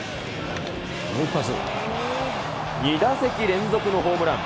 ２打席連続のホームラン。